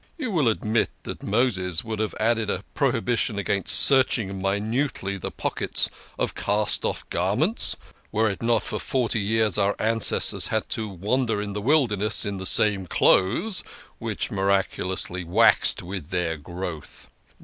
You will admit that Moses would have added a prohibition against searching minutely the pockets of cast off garments, were it not that for forty years our ancestors had to wander in the wilderness in the same clothes, which miraculously waxed with their growth.